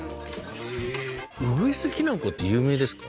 うぐいすきな粉って有名ですか？